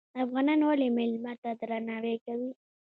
افغانان ولې میلمه ته درناوی کوي؟